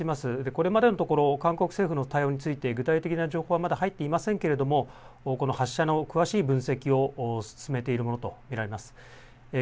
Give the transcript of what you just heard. これまでのところ韓国政府の対応について具体的な情報はまだ入っていませんけれどもこの発射の詳しい分析を進めているものと見られます。